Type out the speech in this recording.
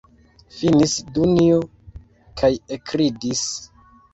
Finis Dunjo kaj ekridis.